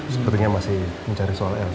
sepertinya masih mencari soal lp